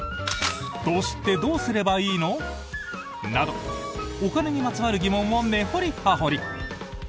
投資ってどうすればいいの？などお金にまつわる疑問を根掘り葉掘り！